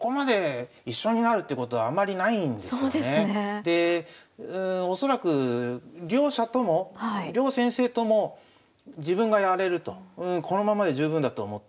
で恐らく両者とも両先生とも自分がやれるとこのままで十分だと思って。